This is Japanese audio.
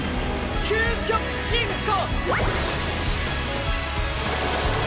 究極進化！